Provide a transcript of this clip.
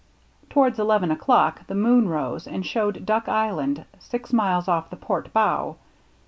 Towards eleven o'clock the moon rose and showed Duck Island six miles off the port bow.